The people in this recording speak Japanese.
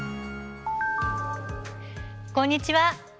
こんにちは。